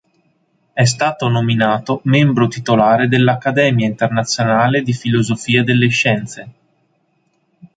È stato nominato membro titolare dell'Accademia Internazionale di Filosofia delle Scienze.